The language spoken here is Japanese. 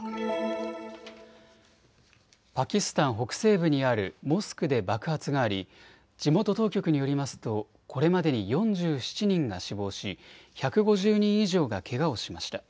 パキスタン北西部にあるモスクで爆発があり地元当局によりますとこれまでに４７人が死亡し１５０人以上がけがをしました。